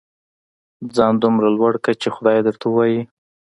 ځان دومره لوړ کړه چې خدای درته ووايي.